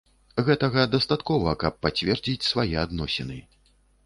Гэтага дастаткова, каб пацвердзіць свае адносіны.